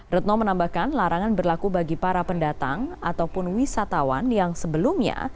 retno menambahkan larangan berlaku bagi para pendatang ataupun wisatawan yang sebelumnya